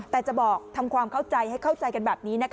แต่จะบอกทำความเข้าใจให้เข้าใจกันแบบนี้